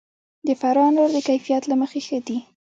د فراه انار د کیفیت له مخې ښه دي.